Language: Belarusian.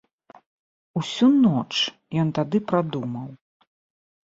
Усю ноч ён тады прадумаў.